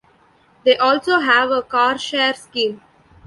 They also have a car-share scheme.